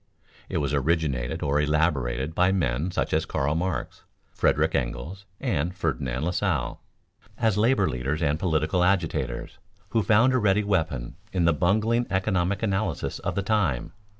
It was originated or elaborated by men such as Karl Marx, Frederick Engels, and Ferdinand Lasalle, as labor leaders and political agitators, who found a ready weapon in the bungling economic analysis of the time.